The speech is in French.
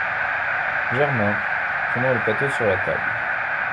Germain , prenant le plateau sur la table.